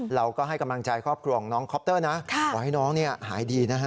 เราก็ให้กำลังใจครอบครัวของน้องคอปเตอร์นะขอให้น้องหายดีนะฮะ